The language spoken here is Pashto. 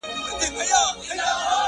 دا دنیا له هر بنده څخه پاتیږي!!